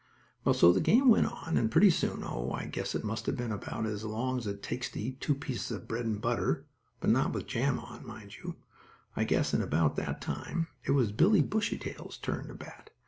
Well, so the game went on, and pretty soon, oh, I guess it must have been about as long as it takes to eat two pieces of bread and butter, but not with jam on, mind you; I guess in about that time, it was Billie Bushytail's turn to bat.